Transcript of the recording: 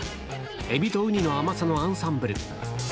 エビとウニの甘さのアンサンブル。